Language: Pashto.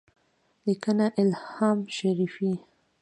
لیکنه الهام شریفي